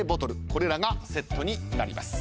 これらがセットになります。